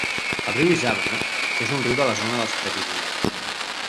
El riu Isàvena és un riu de la zona dels Prepirineus.